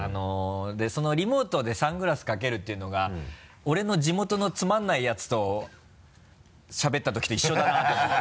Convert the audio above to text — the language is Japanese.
そのリモートでサングラスかけるっていうのが俺の地元のつまんないやつとしゃべった時と一緒だなと思って。